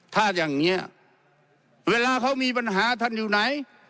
ถ้าอย่างนี้เวลาเขามีปัญหาท่านอยู่ไหน